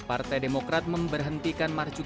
partai demokrat memberhentikan marsyikan